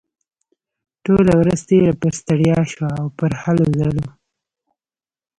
ټوله ورځ تېره پر ستړيا شوه او پر هلو ځلو.